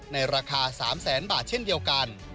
ในราคา๓แสนบาทเช่นเดียวกัน